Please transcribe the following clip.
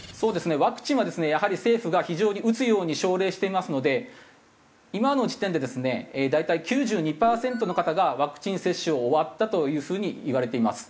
ワクチンはですねやはり政府が非常に打つように奨励していますので今の時点でですね大体９２パーセントの方がワクチン接種を終わったという風にいわれています。